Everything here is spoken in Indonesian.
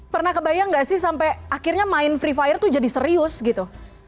pernah kebayang gak sih sampai akhirnya main free fire tuh jadi serius gitu